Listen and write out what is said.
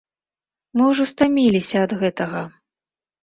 Мы ўжо стаміліся ад гэтага.